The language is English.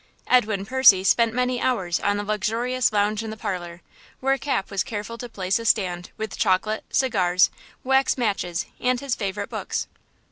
Edwin Percy spent many hours on the luxurious lounge in the parlor, where Cap was careful to place a stand with chocolate, cigars, wax matches and his favorite books.